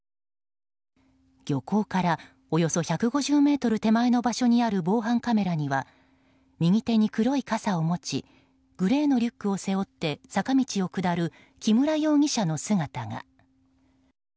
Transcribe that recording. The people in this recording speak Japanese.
漁港からおよそ１５０ｍ手前の場所にある防犯カメラには右手に黒い傘を持ちグレーのリュックを背負って坂道を下る木村容疑者の姿が。